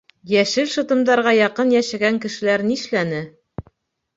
— Йәшел шытымдарға яҡын йәшәгән кешеләр нишләне?